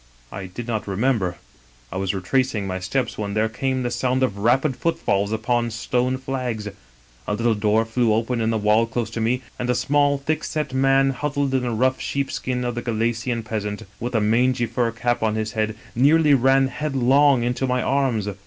I did not remember. I was retracing my steps when there came the sound of rapid footfalls upon stone flags ; a little door flew open in the wall close to me, and a small, thick set man, huddled in the rough sheep skin of the Galician peasant, with a mangy fur cap on his head, nearly ran headlong into my arms.